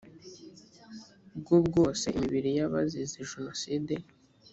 bwo bwose imibiri y abazize jenoside